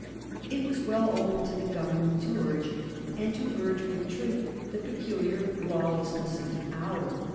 It was well open to the Government to urge, and to urge with truth, the peculiar lawlessness of the hour.